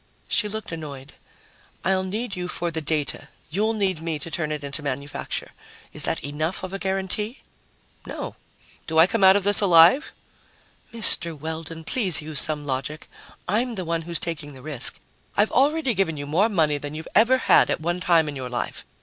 She looked annoyed. "I'll need you for the data. You'll need me to turn it into manufacture. Is that enough of a guarantee?" "No. Do I come out of this alive?" "Mr. Weldon, please use some logic. I'm the one who's taking the risk. I've already given you more money than you've ever had at one time in your life.